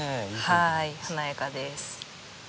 はい華やかです。